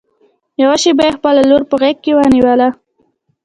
يوه شېبه يې خپله لور په غېږ کې ونيوله.